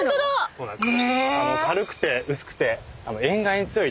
そうなんです。